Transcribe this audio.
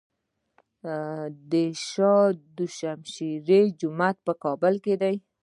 د شاه دوشمشیره جومات په کابل کې دی